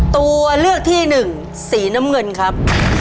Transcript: ตัวเลือกที่หนึ่งสีน้ำเงินครับ